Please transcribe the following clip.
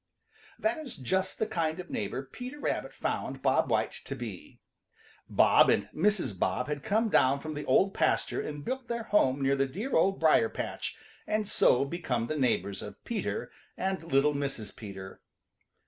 = |THAT is just the kind of a neighbor Peter Rabbit found Bob White to be. Bob and Mrs. Bob had come down from the Old Pasture and built their home near the dear Old Briar patch and so become the neighbors of Peter and little Mrs. Peter.